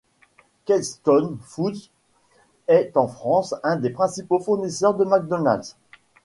Keystone Foods est en France un des principaux fournisseurs de McDonald's.